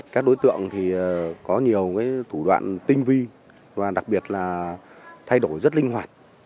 các đối tượng thì có nhiều thủ đoạn tinh vi và đặc biệt là thay đổi rất linh hoạt